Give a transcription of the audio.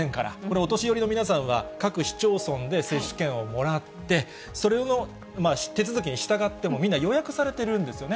お年寄りの皆さんは、各市町村で接種券をもらって、それの手続きに従って、もうみんな、予約されてるんですよね。